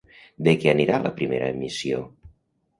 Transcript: De què anirà la primera emissió?